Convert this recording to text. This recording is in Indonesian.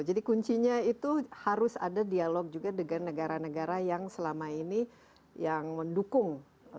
jadi kuncinya itu harus ada dialog juga dengan negara negara yang selama ini yang mendukung